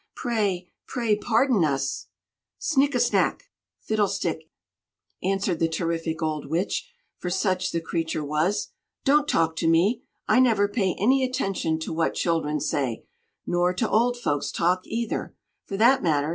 Pray, pray pardon us." "Snikkesnak!" (fiddlestick!) answered the terrific old Witch, for such the creature was. "Don't talk to me! I never pay any attention to what children say; nor to old folks' talk either, for that matter.